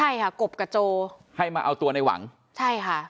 ใช่ค่ะกบกับโจให้มาเอาตัวในหวังใช่ค่ะ